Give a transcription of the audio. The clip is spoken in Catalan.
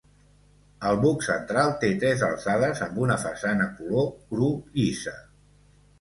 El buc central té tres alçades amb una façana color cru llisa.